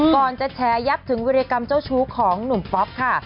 ก่อนจะแชร์ยับถึงวิรกรรมเจ้าชู้ของหนุ่มป๊อปค่ะ